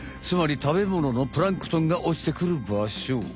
つまり食べもののプランクトンが落ちてくるばしょ。